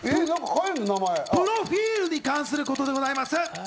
プロフィルに関することでございます。